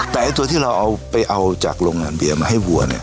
แต่ตัวที่เราเอาไปเอาจากโรงงานเบียร์มาให้วัวเนี่ย